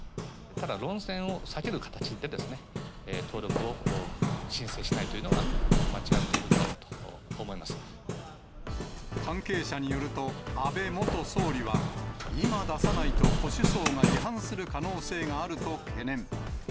ただ論戦を避ける形で、登録を申請しないというのは、間違っているんだろうと、こう思関係者によると、安倍元総理は、今出さないと保守層が離反する可能性があると懸念。